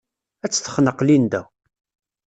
Ad tt-texneq Linda.